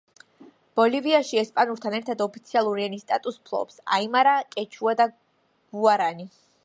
ბოლივიაში, ესპანურთან ერთად ოფიციალური ენის სტატუსს ფლობს აიმარა, კეჩუა და გუარანი.